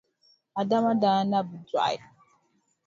Adama, n daa na bi dɔɣi a.